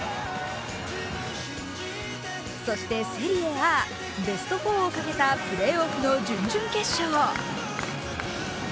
そしてセリエＡ、ベスト４をかけたプレーオフの準々決勝。